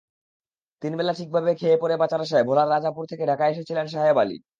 তিন বেলা ঠিকভাবে খেয়ে-পরে বাঁচার আশায় ভোলার রাজাপুর থেকে ঢাকায় এসেছিলেন সাহেব আলী।